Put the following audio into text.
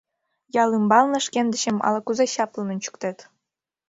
— Ял ӱмбалне шкендычым ала-кузе чаплын ончыктет.